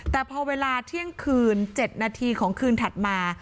แต่พอเวลาเที่ยงคืน๗นาทีของคืนถัดมา